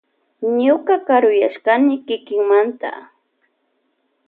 Ñuka karuyashkani kikimanta.